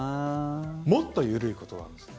もっと緩いことがあるんですね。